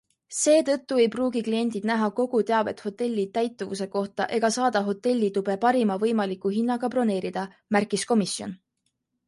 Seetõttu ei pruugi kliendid näha kogu teavet hotelli täituvuse kohta ega saada hotellitube parima võimaliku hinnaga broneerida, märkis Komisjon.